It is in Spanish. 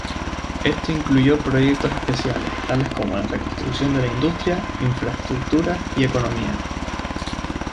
Esto incluyó proyectos especiales, tales como la reconstrucción de la industria, infraestructuras, y economía.